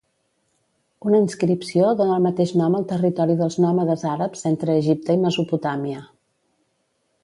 Una inscripció dóna el mateix nom al territori dels nòmades àrabs entre Egipte i Mesopotàmia.